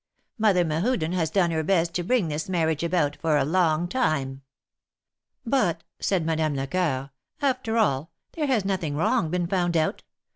Mother Mehuden has done her best to bring this mar riage about for a long time." ''But," said Madame Lecoeur, "after all, there has nothing wrong been found out.